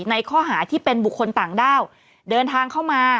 ในข้อหาที่เป็นบุคคลต่างด้าวเดินทางเข้ามา